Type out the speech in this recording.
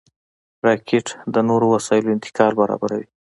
راکټ د نورو وسایلو انتقال برابروي